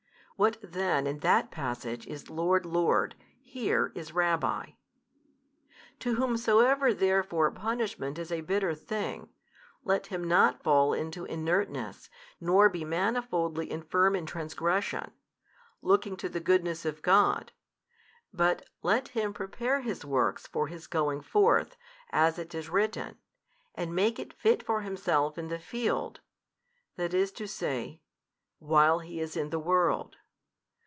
What then in that passage is Lord, Lord, here is Rabbi. To whomsoever therefore punishment is a bitter thing, let him not fall into inertness 13 nor be manifoldly infirm in transgression, looking to the goodness of God, but let him prepare his works for his going forth, as it is written, and make it fit for himself in the field, i. e., while he is in the world.